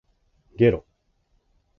げろ